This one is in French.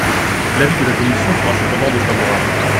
L’avis de la commission sera cependant défavorable.